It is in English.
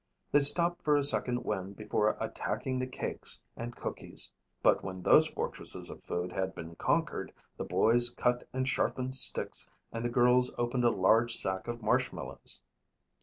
They stopped for a second wind before attacking the cakes and cookies but when those fortresses of food had been conquered the boys cut and sharpened sticks and the girls opened a large sack of marshmallows.